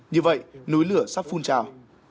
như vậy núi lửa sắp phun trào